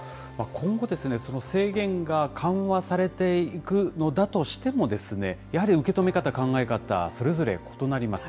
今後ですね、その制限が緩和されていくのだとしても、やはり受け止め方、考え方、それぞれ異なります。